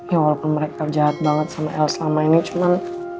ya walaupun mereka jahat banget sama ini cuman